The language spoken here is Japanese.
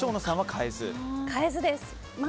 変えずです。